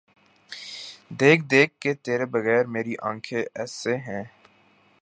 دیکھ دیکھ کہ تیرے بغیر میری آنکھیں ایسے ہیں۔